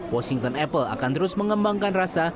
washington apple akan terus mengembangkan rasa